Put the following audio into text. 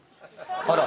あら。